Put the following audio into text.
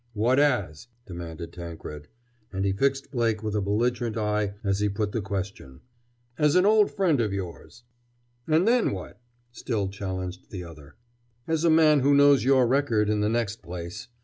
"What as?" demanded Tankred. And he fixed Blake with a belligerent eye as he put the question. "As an old friend of yours!" "And then what?" still challenged the other. "As a man who knows your record, in the next place.